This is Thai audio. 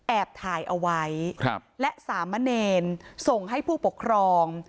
ถ่ายเอาไว้และสามเณรส่งให้ผู้ปกครอง